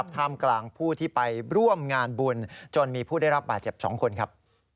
ท่ามกลางผู้ที่ไปร่วมงานบุญจนมีผู้ได้รับบาดเจ็บ๒คนครับ